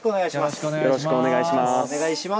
よろしくお願いします。